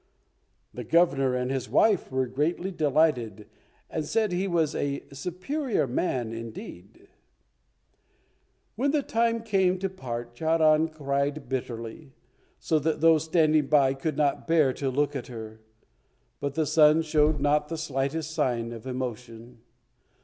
The Governor and his wife were greatly delighted, and said he was a "superior man" indeed. When the time came to part Charan cried bitterly, so that those standing by could not bear to look at her; but the son showed not the slightest sign of emotion.